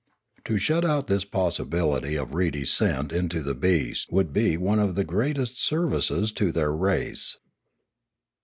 To shut out this possibility of re descent into the beast would be one of the greatest services to their race.